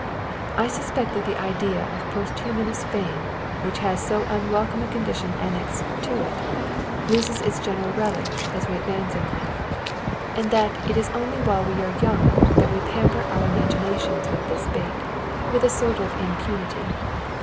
I suspect that the idea of posthumous fame, which has so unwelcome a condition annexed to it, loses its general relish as we advance in life, and that it is only while we are young that we pamper our imaginations with this bait, with a sort of impunity.